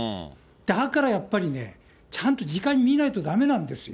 だからやっぱりね、ちゃんとじかに見ないとだめなんですよ。